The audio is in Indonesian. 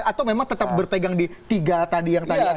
atau memang tetap berpegang di tiga tadi yang tadi anda